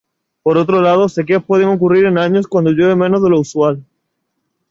Por otro lado, sequías pueden ocurrir en años cuando llueve menos que lo usual.